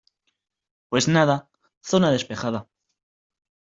pues nada, zona despejada